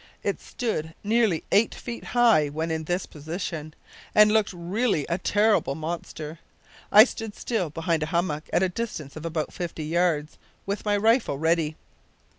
It stood nearly eight feet high when in this position, and looked really a terrible monster. I stood still behind a hummock at a distance of about fifty yards, with my rifle ready.